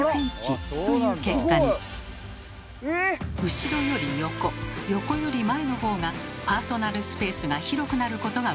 後ろより横横より前のほうがパーソナルスペースが広くなることが分かりました。